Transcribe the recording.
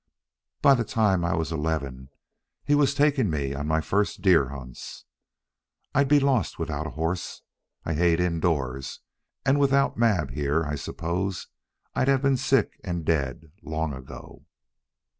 By the time I was eleven he was taking me on my first deer hunts. I'd be lost without a horse. I hate indoors, and without Mab here I suppose I'd have been sick and dead long ago."